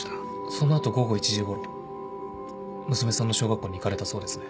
その後午後１時ごろ娘さんの小学校に行かれたそうですね。